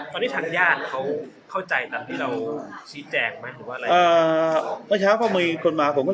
ตอนนี้ทางญาติเข้าใจตำนี้เราซีแตกมั้ย